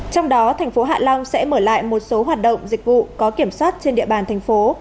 trong đó thành phố hạ long sẽ mở lại một số hoạt động dịch vụ có kiểm soát trên địa bàn thành phố